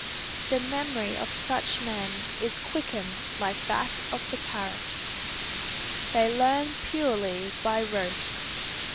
The memory of such men is quickened like that of the parrot. They learn purely by rote.